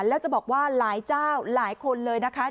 แล้วจะบอกว่าหลายเจ้าหลายคนเลยนะคะ